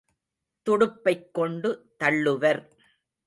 துடுப்பைக் கொண்டு தள்ளுவர்.